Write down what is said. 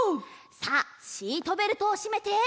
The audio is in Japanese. さあシートベルトをしめて。